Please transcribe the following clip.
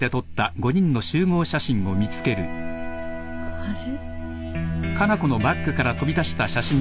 あれ？